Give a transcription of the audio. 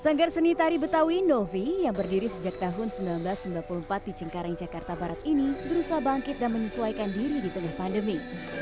sanggar seni tari betawi novi yang berdiri sejak tahun seribu sembilan ratus sembilan puluh empat di cengkareng jakarta barat ini berusaha bangkit dan menyesuaikan diri di tengah pandemi